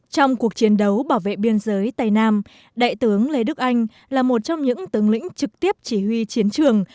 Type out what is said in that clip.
trong cuộc chiến đấu bảo vệ biên giới tây nam đại tướng lê đức anh là một trong những tướng lĩnh trực tiếp chỉ huy chiến trường